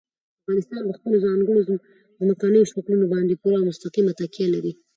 افغانستان په خپلو ځانګړو ځمکنیو شکلونو باندې پوره او مستقیمه تکیه لري.